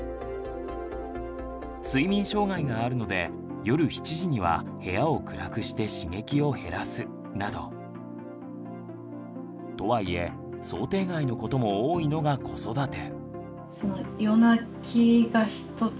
睡眠障害があるので夜７時には部屋を暗くして刺激を減らすなど。とはいえ想定外のことも多いのが子育て。